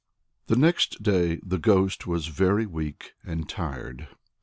IV The next day the ghost was very weak and tired.